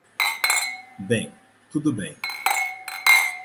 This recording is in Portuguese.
Bem, tudo bem.